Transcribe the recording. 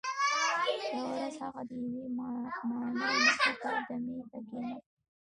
یوه ورځ هغه د یوې ماڼۍ مخې ته دمې ته کښیناست.